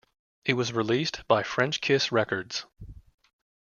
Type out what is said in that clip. It was released by Frenchkiss Records.